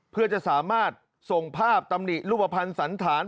เพื่อจะสามารถส่งภาพตำหนิรูปภัณฑ์สันธาร